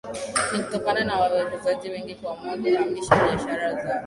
Ni kutokana na wawekezaji wengi kuamua kuhamisha biashara zao